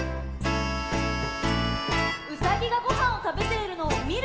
「うさぎがごはんをたべているのをみる」